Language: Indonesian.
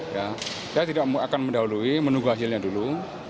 ya saya tidak akan mendahului menunggu hasilnya dulu